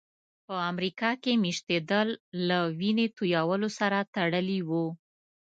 په امریکا کې مېشتېدل له وینې تویولو سره تړلي وو.